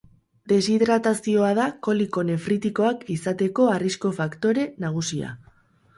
Deshidratazioa da koliko nefritikoak izateko arrisku faktore nagusia.